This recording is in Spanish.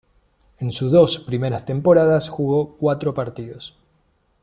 En sus dos primeras temporadas jugó cuatro partidos.